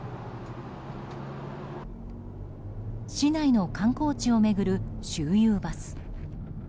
市内の観光地を巡る周遊バス。